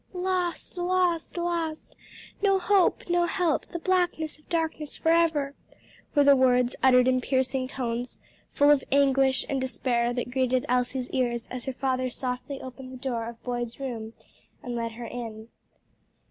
"Lost, lost, lost! no hope, no help, the blackness of darkness forever!" were the words, uttered in piercing tones, full of anguish and despair, that greeted Elsie's ears as her father softly opened the door of Boyd's room and led her in.